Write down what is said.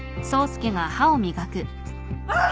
あっ！